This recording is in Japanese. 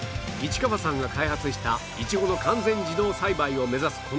市川さんが開発したイチゴの完全自動栽培を目指す